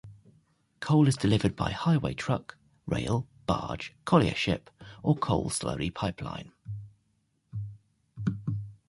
Coal is delivered by highway truck, rail, barge, collier ship or coal slurry pipeline.